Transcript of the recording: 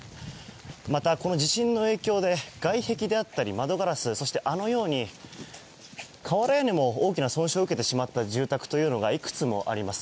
また、この地震の影響で外壁であったり窓ガラス、そしてあのように瓦屋根にも大きな損傷を受けてしまった住宅というのがいくつもあります。